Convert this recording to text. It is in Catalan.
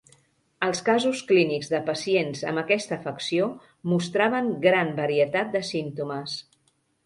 Els casos clínics de pacients amb aquesta afecció mostraven gran varietat de símptomes.